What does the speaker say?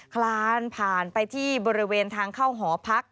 คลานผ่านไปที่บริเวณทางเข้าหอพัก